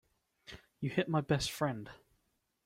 You hit my best friend.